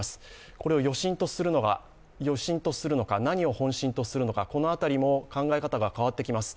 これを余震とするのか、何を本震とするのかこの辺りも考え方が変わってきます